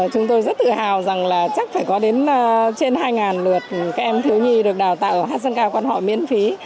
chúng tôi rất tự hào rằng là chắc phải có đến trên hai lượt các em thiếu nhi được đào tạo ở hát dân ca quan họ miễn phí